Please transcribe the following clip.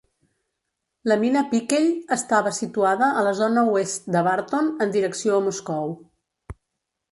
La mina Pickell estava situada a la zona oest de Barton en direcció a Moscou.